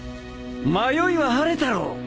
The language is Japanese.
迷いは晴れたろ。